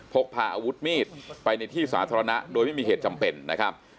พกพาอาวุธมีดไปในที่สาธารณะโดยไม่มีเหตุจำเป็นนะครับ